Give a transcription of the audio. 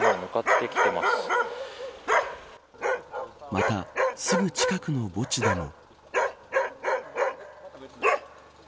また、すぐ近くの墓地でも。